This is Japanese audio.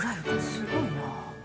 すごいな。